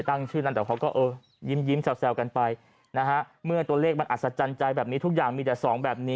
ตัวเลขมันอัศจรรย์ใจแบบนี้ทุกอย่างมีแต่๒แบบนี้